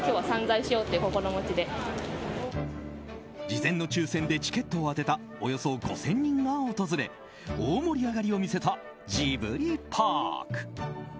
事前の抽選でチケットを当てたおよそ５０００人が訪れ大盛り上がりを見せたジブリパーク。